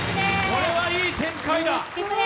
これはいい展開だ。